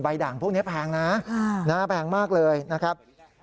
ด่างพวกนี้แพงนะแพงมากเลยนะครับ